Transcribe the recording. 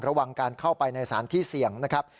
ระวังการเข้าไปในสถานที่เสี่ยงนะครับ